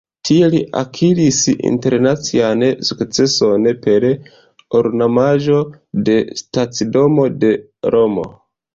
Tie li akiris internacian sukceson per ornamaĵo de stacidomo de Romo.